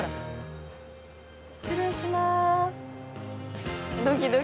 失礼します。